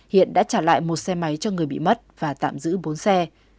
hiện đã trả lại một xe máy cho người bị mất và tạm giữ bốn xe